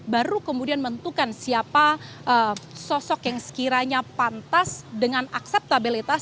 baru kemudian menentukan siapa sosok yang sekiranya pantas dengan akseptabilitas